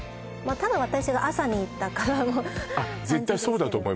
たぶん私が朝に行ったからも登場